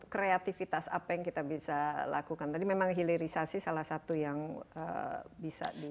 kreativitas apa yang kita bisa lakukan tadi memang hilirisasi salah satu yang bisa di